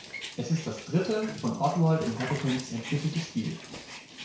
Es ist das dritte von Oddworld Inhabitants entwickelte Spiel.